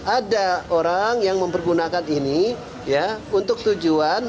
ada orang yang mempergunakan ini ya untuk tujuan